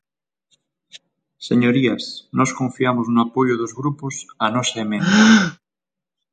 Señorías, nós confiamos no apoio dos grupos á nosa emenda.